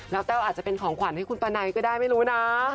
แล้วแต้วอาจจะเป็นของขวัญให้คุณปะไนก็ได้ไม่รู้นะ